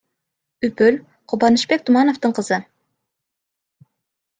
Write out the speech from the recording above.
Үпөл — Кубанычбек Тумановдун кызы.